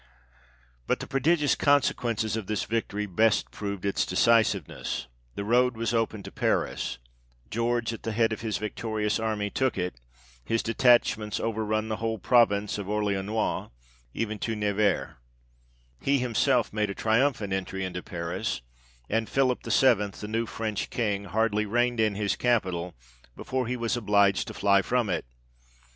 But the prodigious consequences of this victory best proved its decisiveness. The road was open to Paris ; George, at the head of his victorious army took it ; his detachments over run the whole province of Orleanois, even to Nevers : himself made a triumphant entry into Paris, and Philip V1L, the new French King, hardly reigned in his capital, before he was obliged to fly from it.